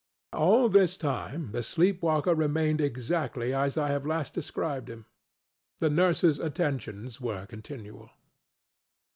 All this time the sleeper waker remained exactly as I have last described him. The nursesŌĆÖ attentions were continual.